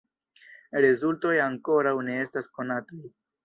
Rezultoj ankoraŭ ne estas konataj.